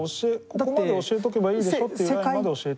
ここまで教えておけばいいでしょっていうラインまで教えて。